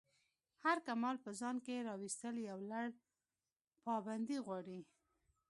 هر کمال په ځان کی راویستل یو لَړ پابندی غواړی.